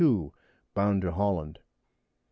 bound to Holland.